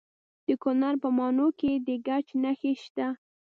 د کونړ په ماڼوګي کې د ګچ نښې شته.